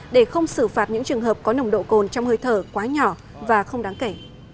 để không xử phạt những trường hợp có nồng độ cồn trong hơi thở quá nhỏ và không đáng kể